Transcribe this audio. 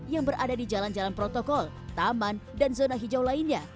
yang berada di jalan jalan protokol taman dan zona hijau lainnya